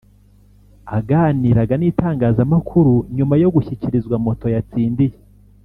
Aganiraga n’Itangazamakuru nyuma yo gushyikirizwa moto yatsindiye